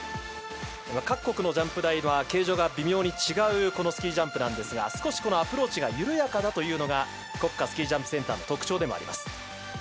各国のジャンプ台は形状が微妙に違うこのスキージャンプなんですが少しアプローチが緩やかなのが国家スキージャンプセンターの特徴でもあります。